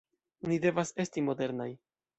Ni devas esti modernaj!